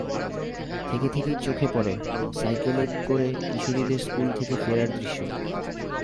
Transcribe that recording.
থেকে থেকেই চোখে পড়ে, সাইকেলে করে কিশোরীদের স্কুল থেকে ফেরার দৃশ্য।